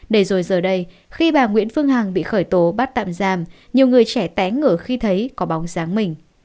để rồi giờ đây khi bà nguyễn phương hằng bị khởi tố bắt tạm giam nhiều người trẻ té ngửa khi thấy có bóng dáng mình